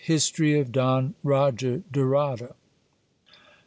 — History of Don Roger de Rada.